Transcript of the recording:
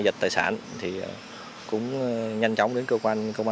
cơ quan công an trình báo thì cũng nhanh chóng đến cơ quan công an trình báo